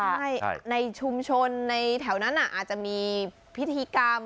ใช่ในชุมชนในแถวนั้นอาจจะมีพิธีกรรม